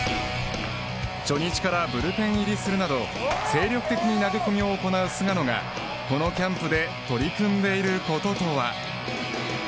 初日からブルペン入りするなど精力的に投げ込みを行う菅野がこのキャンプで取り組んでいることとは。